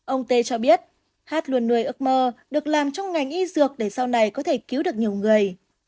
ông tê cho biết hát luôn nuôi ước mơ được làm trong ngành y dược để sau này có thể cứu được nhiều người